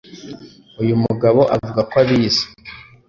Uyu mugabo avuga ko abizi